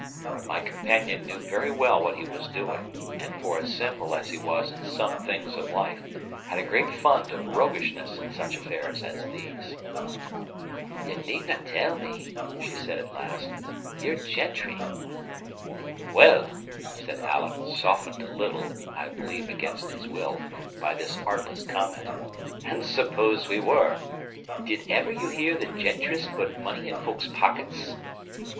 But my companion knew very well what he was doing; and for as simple as he was in some things of life, had a great fund of roguishness in such affairs as these. "Ye neednae tell me," she said at last "ye're gentry." "Well," said Alan, softened a little (I believe against his will) by this artless comment, "and suppose we were? Did ever you hear that gentrice put money in folk's pockets?"